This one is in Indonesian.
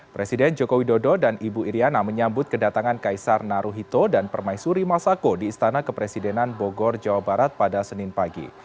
presiden joko widodo dan ibu iryana menyambut kedatangan kaisar naruhito dan permaisuri masako di istana kepresidenan bogor jawa barat pada senin pagi